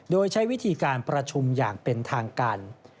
โดยใช้วิธีการประชุมอย่างเป็นทางการ